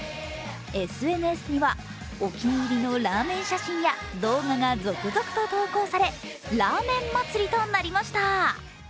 ＳＮＳには、お気に入りのラーメン写真や動画が続々と投稿され、ラーメン祭りとなりました。